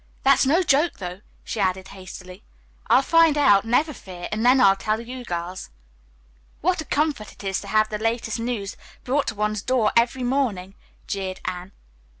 "That's no joke, though," she added hastily. "I'll find out, never fear, and then I'll tell you girls." "What a comfort it is to have the latest news brought to one's door every morning," jeered Anne.